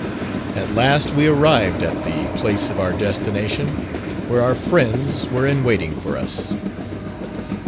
At last we arrived at the place of our destination, where our friends were in waiting for us.